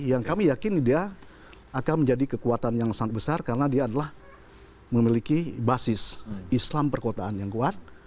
yang kami yakin dia akan menjadi kekuatan yang sangat besar karena dia adalah memiliki basis islam perkotaan yang kuat